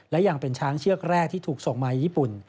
และยังเป็นช้างเชือกแรกที่ถูกส่งมาญี่ปุ่น